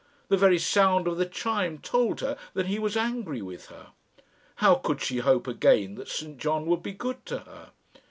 The very sound of the chime told her that he was angry with her. How could she hope again that St John would be good to her?